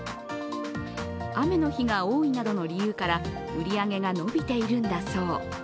雨の日が多いなどの理由から売り上げが伸びているんだそう。